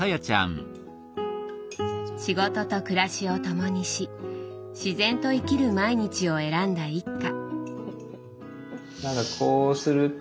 仕事と暮らしを共にし自然と生きる毎日を選んだ一家。